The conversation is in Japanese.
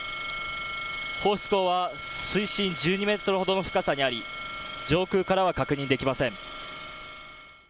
放出口は水深１２メートルほどの深さにあり上空からは確認できません。